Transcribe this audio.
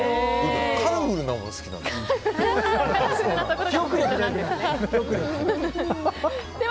カラフルなのが好きなので。